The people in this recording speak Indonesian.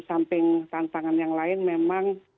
samping tantangan yang lain memang